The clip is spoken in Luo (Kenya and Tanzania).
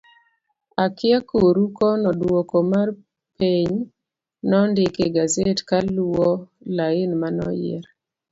akia koru kono duoko mar peny nondik e gaset kaluo lain manoyier